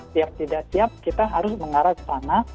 siap tidak siap kita harus mengarah ke sana